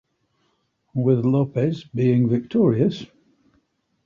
With Lopes being victorious.